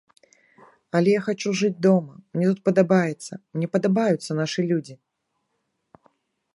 Але я хачу жыць дома, мне тут падабаецца, мне падабаюцца нашы людзі.